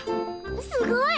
すごい！